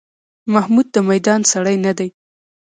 محمود د میدان سړی نه دی.